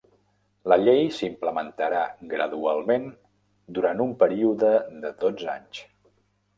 La llei s'implementarà gradualment durant un període de dotze anys.